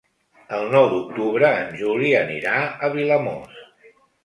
El nou d'octubre en Juli anirà a Vilamòs.